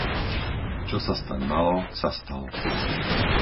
Čo sa stať malo, sa stalo.